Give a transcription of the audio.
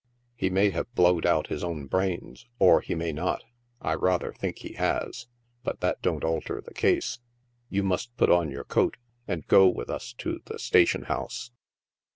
He may have blowed out his own brains, or he may not ; I rather think he has, but that don't alter the case. You must put on your coat, and go with us to the station house."